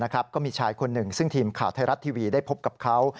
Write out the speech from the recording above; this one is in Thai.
ก็มีชายคนหนึ่งซึ่งทีมข่าวไทยรัฐทีวีได้พบกับเขา